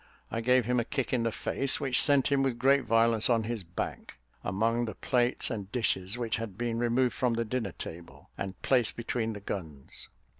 I gave him a kick on the face, that sent him with great violence on his back, among the plates and dishes, which had been removed from the dinner table and placed between the guns.